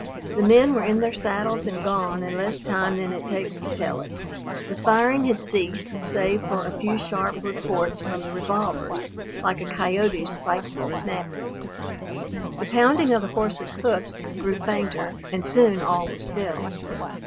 The men were in their saddles and gone in less time than it takes to tell it. The firing had ceased save for a few sharp reports from the revolvers, like a coyote's spiteful snapping. The pounding of the horse's hoofs grew fainter, and soon all was still.